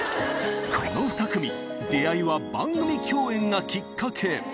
この２組、出会いは番組共演がきっかけ。